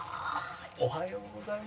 おはようございます。